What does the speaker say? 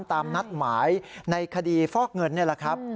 ตามนัดหมายในคดีฟอกเงินนี่แหละครับ